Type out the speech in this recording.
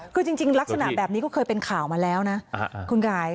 คือจริงลักษณะแบบนี้ก็เคยเป็นข่าวมาแล้วนะคุณกาย